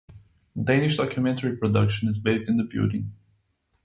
Danish Documentary Production is based in the building.